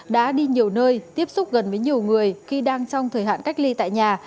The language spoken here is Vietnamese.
đã đi nhiều nơi tiếp xúc gần với nhiều người khi đang trong thời hạn cách ly tại nhà